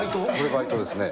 バイトですね。